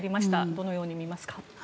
どのように見ますか。